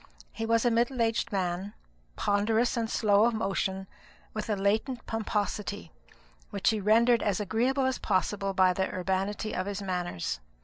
He was a middle aged man, ponderous and slow of motion, with a latent pomposity, which he rendered as agreeable as possible by the urbanity of his manners.